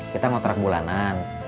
kita mau trak bulanan